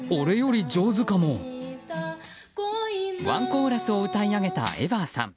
１コーラスを歌い上げたエヴァーさん。